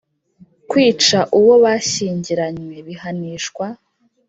Kwica uwo bashyingiranywe bihanishwa